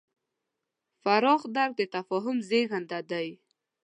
پراخ درک د تفاهم زېږنده دی.